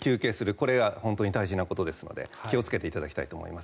これが本当に大事なことですので気をつけていただきたいと思います。